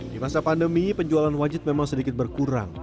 di masa pandemi penjualan wajit memang sedikit berkurang